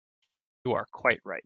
You are quite right.